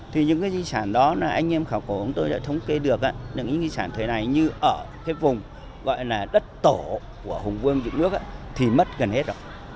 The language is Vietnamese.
thì những cái di sản đó là anh em khảo khoa học tôi đã thống kê được những cái di sản thời này như ở cái vùng gọi là đất tổ của hùng vương dựng nước thì mất gần hết rồi